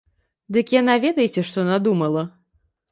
Дык яна ведаеце што надумала?